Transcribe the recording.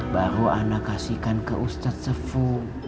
baru anak kasihkan ke ustadz sefu